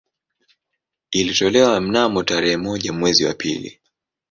Ilitolewa mnamo tarehe moja mwezi wa pili